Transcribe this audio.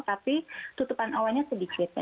tapi tutupan awalnya sedikit